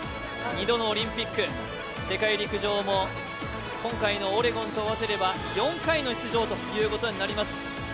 ２度のオリンピック、世界陸上も今回のオレゴンを合わせれば４回の出場になります。